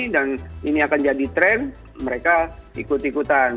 dan ini akan jadi trend mereka ikut ikutan